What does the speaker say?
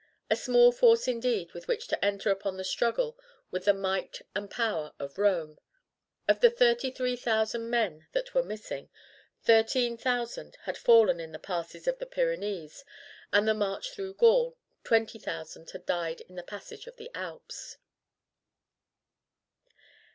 A small force indeed with which to enter upon the struggle with the might and power of Rome. Of the 33,000 men that were missing, 13,000 had fallen in the passes of the Pyrenees and the march through Gaul, 20,000 had died in the passage of the Alps.